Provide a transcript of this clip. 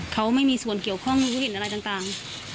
เขาไม่มีส่วนเกี่ยวข้องรู้เห็นอะไรต่าง